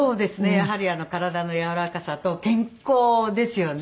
やはり体の柔らかさと健康ですよね。